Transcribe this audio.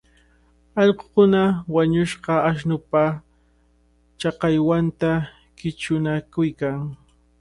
Allqukuna wañushqa ashnupa chakallwanta qichunakuykan.